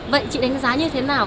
vậy chị đánh giá như thế nào